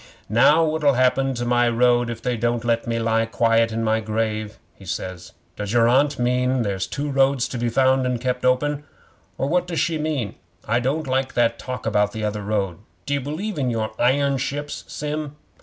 '"Now what'll happen to my road if they don't let me lie quiet in my grave?" he says. "Does your Aunt mean there's two roads to be found and kept open or what does she mean? I don't like that talk about t'other road. D'you believe in your iron ships, Sim?"